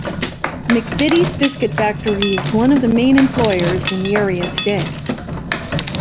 McVitie's biscuit factory is one of the main employers in the area today.